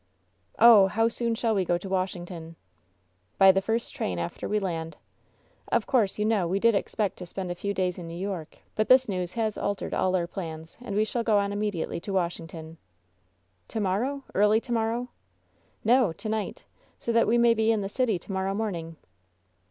"Oh, how soon shall we go to Washington?" "By the first train after we land. Of course, you know, we did expect to spend a few days in New York, but this news has altered all our plans, and we shall go on immediately to Washington." "To morrow ? Early to morrow ?" "No, to night! So that we may be in the city to morrow morning!"